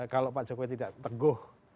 kalau pak jokowi tidak teguh